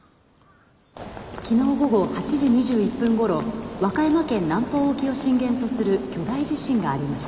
「昨日午後８時２１分ごろ和歌山県南方沖を震源とする巨大地震がありました。